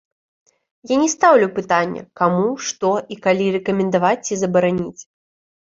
Я не стаўлю пытання, каму што і калі рэкамендаваць ці забараніць.